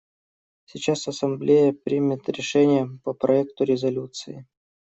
Сейчас Ассамблея примет решение по проекту резолюции.